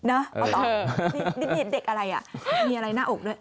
เอาต่อนี่มีเด็กอะไรมีอะไรหน้าอกด้วย